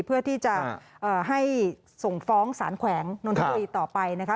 เพื่อที่จะให้ส่งฟ้องสารแขวงนนทบุรีต่อไปนะคะ